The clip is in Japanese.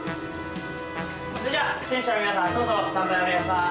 それじゃ出演者の皆さんそろそろスタンバイお願いします。